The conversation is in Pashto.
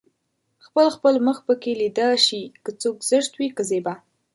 خپل خپل مخ پکې ليده شي که څوک زشت وي که زيبا